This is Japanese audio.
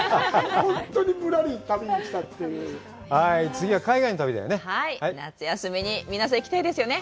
ほんとにぶらり旅に来たっていうはい次は海外の旅だよねはい夏休みに皆さん行きたいですよね